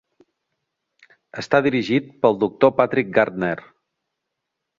Està dirigit pel doctor Patrick Gardner.